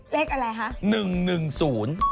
เลขอะไรหรอ